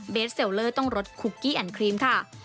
เบสเซลเลอร์ต้องรสคุกกี้ครีมค่ะ